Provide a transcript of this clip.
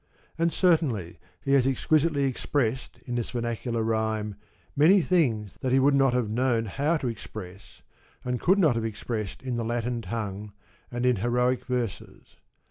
And certainly he has exquisitely expressed in this vernacular rhyme many things that he would not have known how to express and could not have expressed in the Latin tongue and in heroic verses.